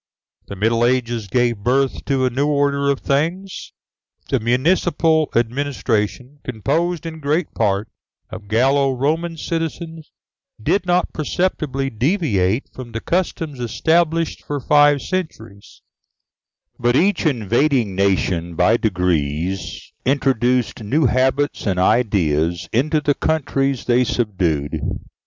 The Middle Ages gave birth to a new order of things. The municipal administration, composed in great part of Gallo Roman citizens, did not perceptibly deviate from the customs established for five centuries, but each invading nation by degrees introduced new habits and ideas into the countries they subdued.